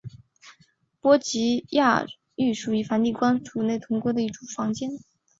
波吉亚寓所是梵蒂冈使徒宫内的一组房间。